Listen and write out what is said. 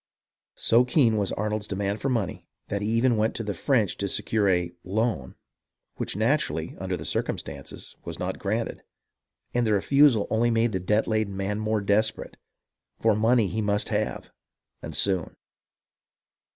So keen was Arnold's demand for money that he even went to the French to secure a " loan," which natu rally, under the circumstances, was not granted ; and the refusal only made the debt laden man the more desperate, for money he must have, and soon.